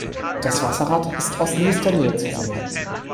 Das Wasserrad ist aus nächster Nähe zu sehen.